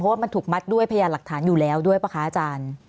ว่ามันถูกมัดด้วยพยานหลักฐานอยู่แล้วด้วยป่ะคะอาจารย์